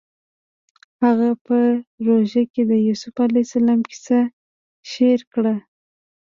هغه په روژه کې د یوسف علیه السلام کیسه شعر کړه